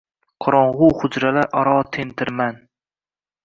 Qorong’u hujralar aro tentirman